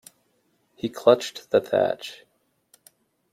He clutched the thatch.